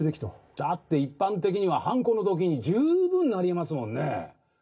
だって一般的には犯行の動機に十分なりえますもんね。